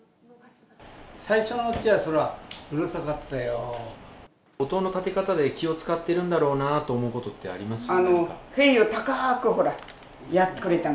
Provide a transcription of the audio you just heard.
最初のうちはそりゃ、うるさ音の立て方で、気を遣ってるんだろうなって思うことってありますか？